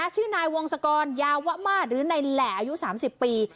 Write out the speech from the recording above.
ชื่อนายวงศกรยาวะมาศหรือนายแหล่อายุ๓๐ปี